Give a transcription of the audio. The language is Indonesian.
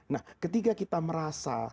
nah ketika kita merasa